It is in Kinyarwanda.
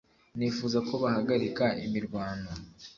nifuza ko bahagarika imirwano